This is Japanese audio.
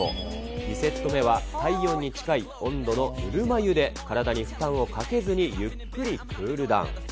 ２セット目は太陽に近い温度のぬるま湯で体に負担をかけずにゆっくりクールダウン。